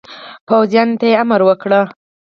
پوځیانو ته امر وکړ.